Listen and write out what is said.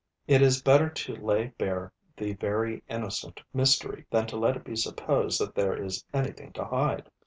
It is better to lay bare the very innocent mystery, than to let it be supposed that there is anything to hide.